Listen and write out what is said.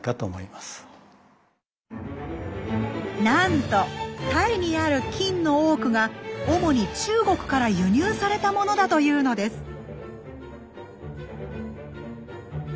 なんとタイにある金の多くが主に中国から輸入されたものだというのです。